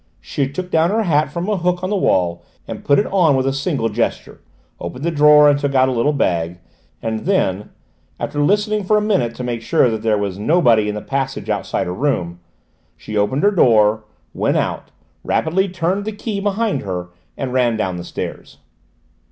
She took down her hat from a hook on the wall, and put it on with a single gesture, opened a drawer and took out a little bag, and then, after listening for a minute to make sure that there was nobody in the passage outside her room, she opened her door, went out, rapidly turned the key behind her and ran down the stairs.